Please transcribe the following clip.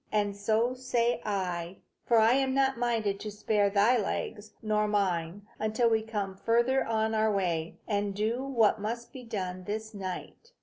And so say I, for I am not minded to spare thy legs or mine, until we come farther on our way, and do what must be done this night.